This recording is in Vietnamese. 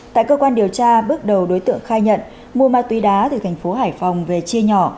tại cơ quan điều tra bước đầu đối tượng khai nhận mua ma túy đá từ thành phố hải phòng về chia nhỏ